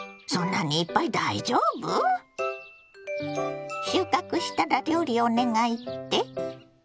そんなにいっぱい大丈夫？収穫したら料理お願いって？